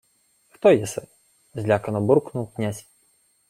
— Хто єси? — злякано буркнув князь.